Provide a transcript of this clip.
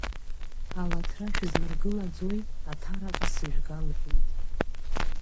Алаҭра шәызмыргылаӡои, Аҭараҟа сыжәга, – лҳәеит.